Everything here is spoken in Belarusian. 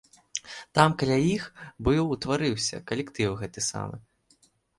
Там каля іх быў утварыўся калектыў гэты самы.